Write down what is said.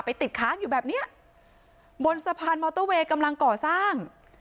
ติดค้างอยู่แบบเนี้ยบนสะพานมอเตอร์เวย์กำลังก่อสร้าง